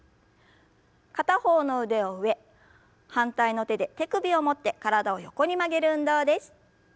片方の腕を上反対の手で手首を持って体を横に曲げる運動です。